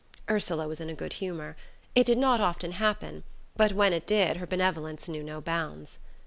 Ursula was in a good humour. It did not often happen; but when it did her benevolence knew no bounds.